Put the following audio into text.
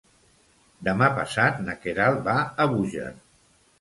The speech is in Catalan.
Demà passat na Queralt va a Búger.